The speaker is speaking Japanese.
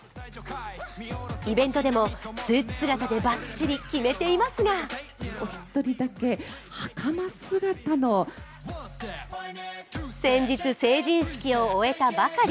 イベントでもスーツ姿でバッチリ決めていますが先日、成人式を終えたばかり。